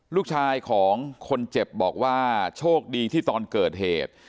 ลูกชายของคนเจ็บบอกว่าโชคดีที่ตอนเกิดเหตุ